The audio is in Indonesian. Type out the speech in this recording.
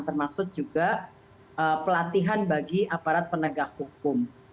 termasuk juga pelatihan bagi aparat penegak hukum